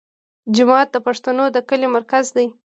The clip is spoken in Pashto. جومات د پښتنو د کلي مرکز وي.